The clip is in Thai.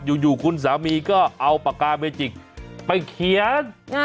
อยู่คุณสามีก็เอาปากกาเมจิกไปเขียน